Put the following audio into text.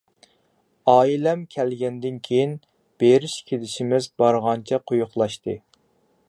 ئائىلەم كەلگەندىن كېيىن بېرىش-كېلىشىمىز بارغانچە قويۇقلاشتى.